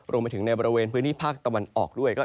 รวมไปถึงในบริเวณพื้นที่ภาคตะวันออกด้วย